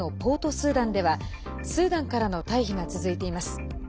スーダンではスーダンからの退避が続いています。